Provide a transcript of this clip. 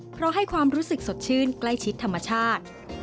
เพราะให้ความรู้สึกสดชื่นใกล้ชิดธรรมชาติ